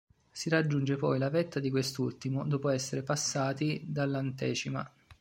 Si raggiunge poi la vetta di quest'ultimo dopo essere passati dall'antecima.